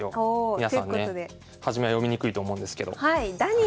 皆さんね初めは読みにくいと思うんですけど。